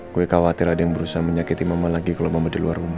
gue khawatir ada yang berusaha menyakiti mama lagi kalau mama di luar rumah